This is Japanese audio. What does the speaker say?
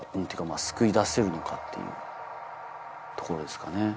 救い出せるのかっていうところですかね。